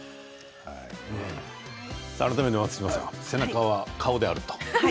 改めて松島さん背中は顔であると。